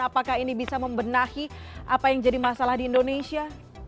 apakah ini bisa membenahi apa yang jadi masalah di indonesia